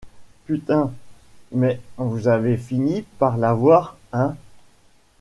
Putain, mais vous avez fini par l’avoir, hein ?